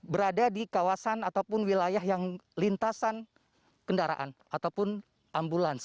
berada di kawasan ataupun wilayah yang lintasan kendaraan ataupun ambulans